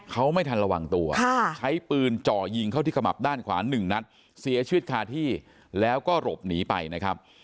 เขาไม่ทันระวังตัวใช้ปืนจ่อยิงเข้าที่ขมับด้านขวาหนึ่งนัดเสียชีวิตคาที่แล้วก็หลบหนีไปนะครับ